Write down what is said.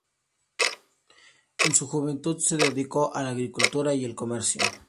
En su juventud se dedicó a la agricultura y al comercio.